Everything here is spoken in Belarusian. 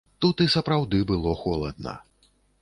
Тут і сапраўды было холадна.